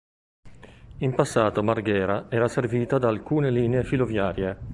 In passato Marghera era servita da alcune linee filoviarie.